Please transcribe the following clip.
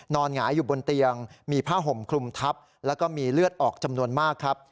หงายอยู่บนเตียงมีผ้าห่มคลุมทับแล้วก็มีเลือดออกจำนวนมากครับ